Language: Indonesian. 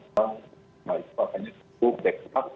itu makanya cukup backup